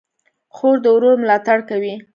خور د ورور ملاتړ کوي.